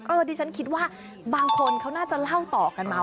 ดิฉันคิดว่าบางคนเขาน่าจะเล่าต่อกันมา